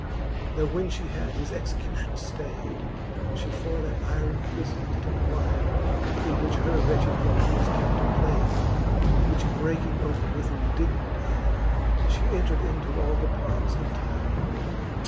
" XXXVII. Tho when fhe had his execution ftayd, She for that yron prifon did enquire, In which her wretched love was captive layd : Which breaking open with indignant ire, She entrcd into all the partes entire.